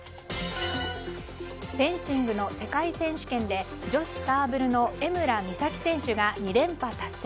フェンシングの世界選手権で女子サーブルの江村美咲選手が２連覇達成。